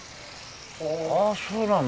ああそうなんだ。